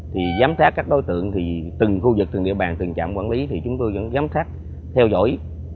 thì giám sát các đối tượng thì từng khu vực từng địa bàn từng trạm quản lý thì chúng tôi vẫn giám sát theo dõi